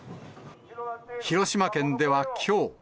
広島県ではきょう。